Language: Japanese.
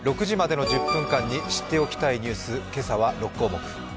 ６時までの１０分間に知っておきたいニュース、今朝は６項目。